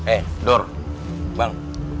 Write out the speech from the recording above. eh dor bang